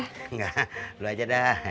enggak lu aja dah